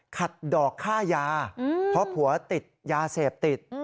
ดอกค่ายาเพราะผัวติดยาเสพติด